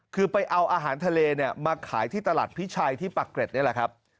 คือไปเอาอาหารทะเลเนี่ยมาขายที่ตลาดพิชัยที่ปักเกร็ดนี่แหละครับ